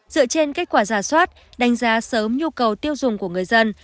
dựa trên kết quả giả soát đánh giá sớm nhu cầu tiêu dùng của quản lý thị trường